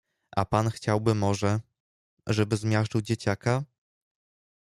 A pan chciałby może, żeby zmiażdżył dzieciaka?